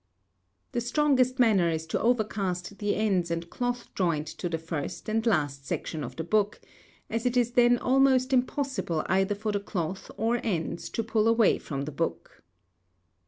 The strongest manner is to overcast the ends and cloth joint to the first and last section of the book, as it is then almost impossible either for the cloth or ends to pull away from the book.